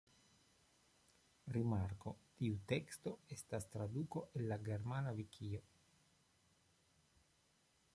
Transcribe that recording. Rimarko: Tiu teksto estas traduko el la germana vikio.